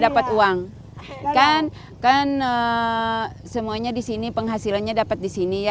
satu satunya penghasilan di keluarga